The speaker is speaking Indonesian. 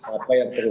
apa yang perlu